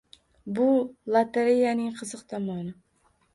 Bu lotoreyaning qiziq tomoni